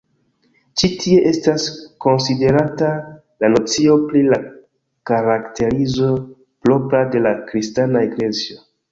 Ĉi tie estas konsiderata la nocio pri la karakterizo propra de la Kristana Eklezio.